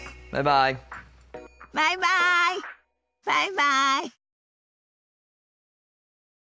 バイバイ。